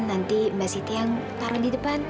nanti mbak siti yang taruh di depan